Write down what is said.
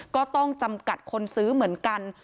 ก็ต้องจำกัดคนซื้อเหมือนกัน